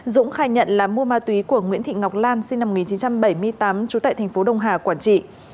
dũng khai nhận là mua ma túy của nguyễn thị ngọc lan sinh năm một nghìn chín trăm bảy mươi tám trú tại tp đông hà quảng trị